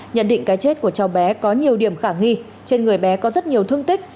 nhận định cái chết của cháu bé có nhiều điểm khả nghi trên người bé có rất nhiều thương tích